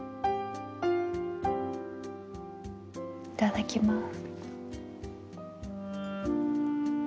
いただきます。